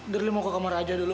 derley mau ke kamar aja dulu